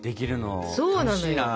そうなのよ。